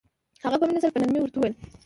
هغه په مينه سره په نرمۍ ورته وويل.